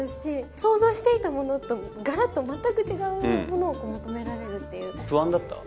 想像していたものともガラッと全く違うものを求められる不安だった？